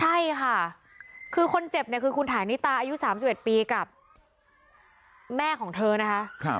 ใช่ค่ะคือคนเจ็บเนี่ยคือคุณฐานิตาอายุ๓๑ปีกับแม่ของเธอนะคะ